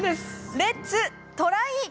レッツトライ！